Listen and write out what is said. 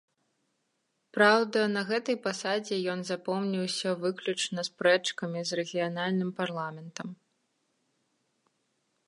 Праўда, на гэтай пасадзе ён запомніўся выключна спрэчкамі з рэгіянальным парламентам.